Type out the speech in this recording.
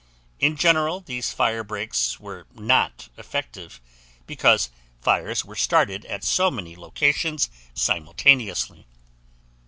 In general these fire breaks were not effective because fires were started at so many locations simultaneously.